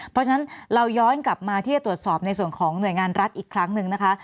เพราะฉะนั้นเราย้อนกลับมาที่จะตรวจสอบในส่วนของหน่วยงานรัฐอีกครั้งหนึ่งนะคะ